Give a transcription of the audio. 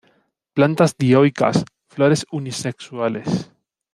Plantas dioicas; flores unisexuales.